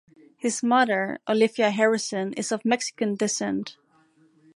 His mother, Olivia Harrison, is of Mexican descent.